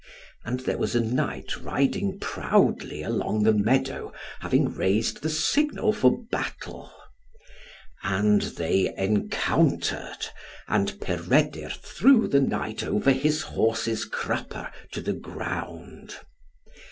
And there was a knight riding proudly along the meadow, having raised the signal for battle. And they encountered, and Peredur threw the knight over his horse's crupper to the ground.